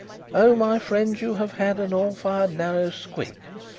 "Oh, my friends, you have had an all fired narrow squeak.